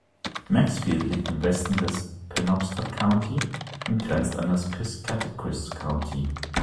Maxfield liegt im Westen des Penobscot County und grenzt an das Piscataquis County.